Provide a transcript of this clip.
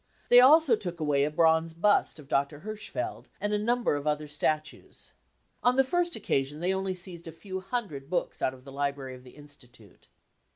They also took away a bronze bust of Dr. Hirschfeld, and a* number of other statues. On the first occasion they only seized a few hundred books out of the library of the Institute.